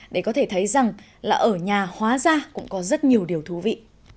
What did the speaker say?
để có thể thấy rằng là ở nhà hóa ra cũng có rất nhiều điều thú vị